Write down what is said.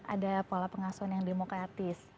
ada pola pengasuhan yang demokratis